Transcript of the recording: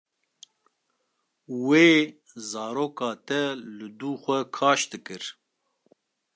Wê zaroka te li du xwe kaş dikir.